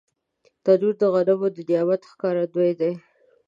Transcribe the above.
تنور د غنمو د نعمت ښکارندوی دی